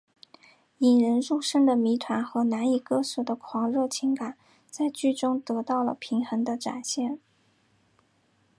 引人入胜的谜团和难以割舍的狂热情感在剧中得到了平衡的展现。